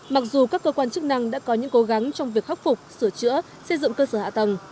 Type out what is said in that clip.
mặc dù các cơ quan chức năng đã có những cố gắng trong việc khắc phục sửa chữa xây dựng cơ sở hạ tầng